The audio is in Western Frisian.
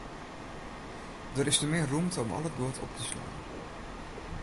Der is te min rûmte om al it guod op te slaan.